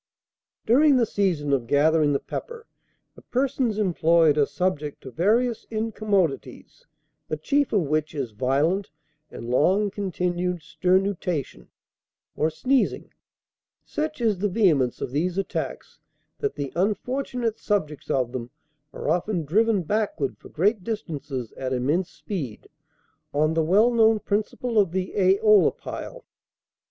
"During the season of gathering the pepper, the persons employed are subject to various incommodities, the chief of which is violent and long continued sternutation, or sneezing. Such is the vehemence of these attacks, that the unfortunate subjects of them are often driven backward for great distances at immense speed, on the well known principle of the æolipile.